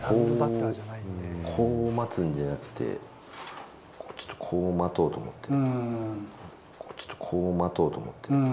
こう待つんじゃなくて、ちょっとこう待とうと思って、ちょっとこう待とうと思って。